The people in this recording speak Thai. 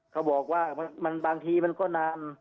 เขาบอกว่าบางทีมันก็นาน